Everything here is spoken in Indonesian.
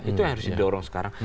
itu yang harus didorong sekarang